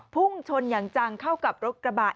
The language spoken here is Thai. พุ่งชนอย่างจังเข้ากับรถกระบะ